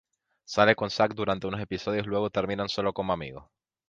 Sale con Zack durante unos episodios luego terminan solo como amigos.